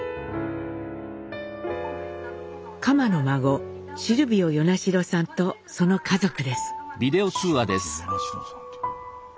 蒲の孫シルビオ・与那城さんとその家族です。